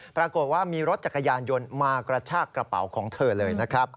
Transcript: ปรากฏว่ามีรถจักรยานยนต์มากระชากกระเป๋าของเธอเลยนะครับ